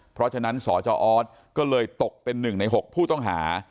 เพราะฉะนั้นสอก็เลยตกเป็นหนึ่งในหกผู้ต้องหา